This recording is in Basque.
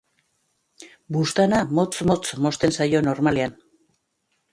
Buztana motz-motz mozten zaio normalean.